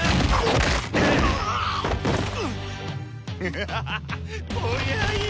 ハハハハこりゃいい。